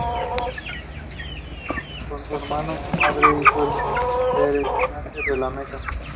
Con su hermano y su madre hizo el peregrinaje a la Meca.